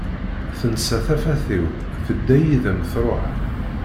Tensa tafat-iw, tedda yid-m truḥ.